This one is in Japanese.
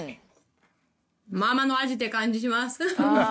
ママの味って感じします。